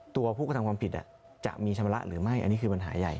ตัวผู้กระทำความผิดจะมีชำระหรือไม่อันนี้คือปัญหาใหญ่